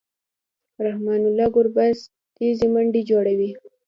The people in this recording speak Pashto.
رحمن الله ګربز تېزې منډې جوړوي.